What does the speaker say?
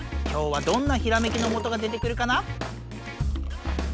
今日はどんなひらめきのもとが出てくるかな？